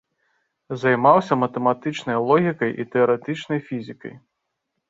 Займаўся матэматычнай логікай і тэарэтычнай фізікай.